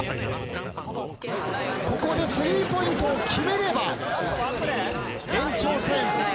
ここで３ポイントを決めれば延長戦。